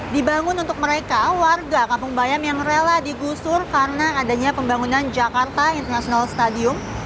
dibangun untuk mereka warga kampung bayam yang rela digusur karena adanya pembangunan jakarta international stadium